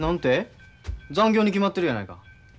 残業に決まってるやないか。